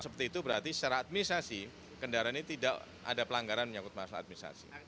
seperti itu berarti secara administrasi kendaraan ini tidak ada pelanggaran menyangkut masalah administrasi